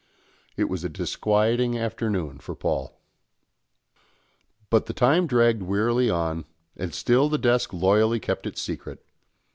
It was a disquieting afternoon for Paul. But the time dragged wearily on, and still the desk loyally kept its secret.